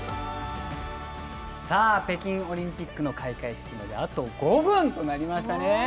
北京オリンピックの開会式まであと５分となりましたね。